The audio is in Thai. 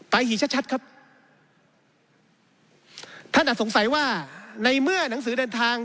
หี่ชัดชัดครับท่านอาจสงสัยว่าในเมื่อหนังสือเดินทาง